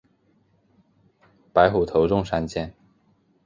白虎头中三箭。